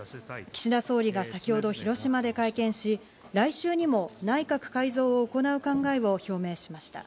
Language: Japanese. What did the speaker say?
岸田総理大臣が先ほど広島で会見し、来週にも内閣改造を行う考えを表明しました。